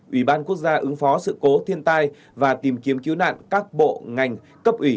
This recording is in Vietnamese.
ủy ban quốc gia ứng phó sự cố thiên tai và tìm kiếm cứu nạn các bộ ngành cấp ủy